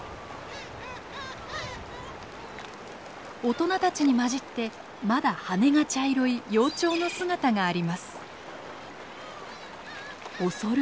大人たちに交じってまだ羽が茶色い幼鳥の姿があります。